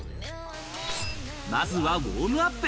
まずはウォームアップ。